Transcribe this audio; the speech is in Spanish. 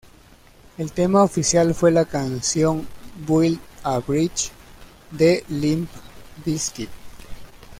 El tema oficial fue la canción "Build a Bridge" de Limp Bizkit.